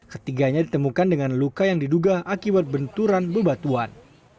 ketiganya ditemukan dengan luka yang diduga akibat benturan bebatuan